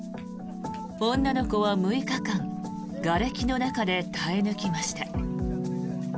女の子は６日間がれきの中で耐え抜きました。